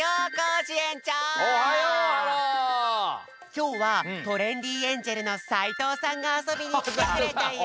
きょうはトレンディエンジェルの斎藤さんがあそびにきてくれたよ。